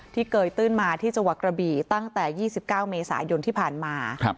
ที่เกิดตื่นมาที่เจาะกระบีตั้งแต่๒๙เมษายนที่ผ่านมา